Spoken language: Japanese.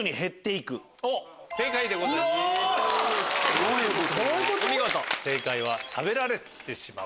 どういうこと？